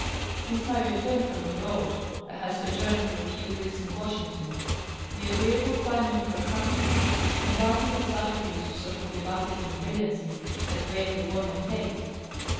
Since my return from abroad I had sojourned for a few weeks in Washington. The agreeable climate of our capital, combined with its attributes of social vivacity and brilliancy, had greatly won my taste.